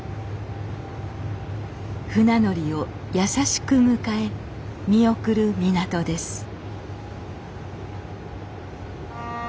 船乗りを優しく迎え見送る港です